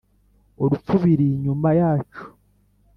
urupfu biri inyuma yacu.